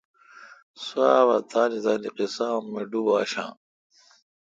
سواب تان تان قیسا می ڈوب آشاں۔